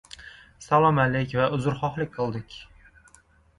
Salom-alik va uzrxohlik qildik.